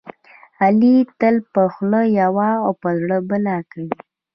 علي تل په خوله یوه او په زړه بله کوي.